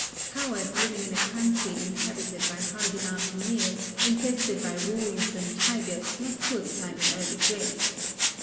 Cowards living in a country inhabited by hardy mountaineers, infested by wolves and tigers must surely find an early grave.